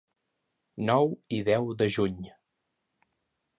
Nou i deu de juny.